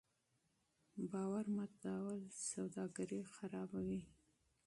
باور ماتول سوداګري خرابوي.